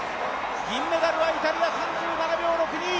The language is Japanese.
銀メダルはイタリア３７秒６２。